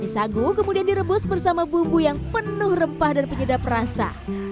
sagu kemudian direbus bersama bumbu yang penuh rempah dan penyedap rasa